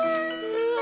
うわ！